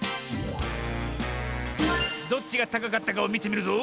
どっちがたかかったかをみてみるぞ。